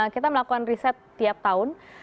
kita melakukan riset tiap tahun